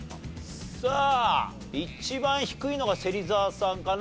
さあ一番低いのが芹澤さんかな？